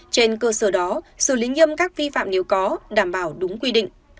trên cơ sở đó xử lý nghiêm các vi phạm nếu có đảm bảo đúng quy định